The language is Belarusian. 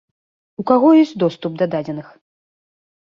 У каго ёсць доступ да дадзеных?